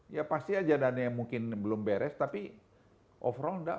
ya pasti aja dana yang mungkin belum beres tapi overall tidak